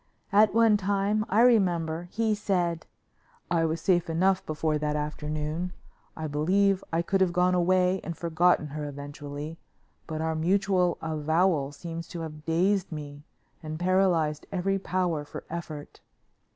At one time, I remember, he said: "I was safe enough before that afternoon. I believe I could have gone away and forgotten her eventually, but our mutual avowal seems to have dazed me and paralyzed every power for effort.